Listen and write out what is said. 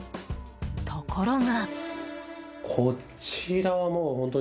ところが。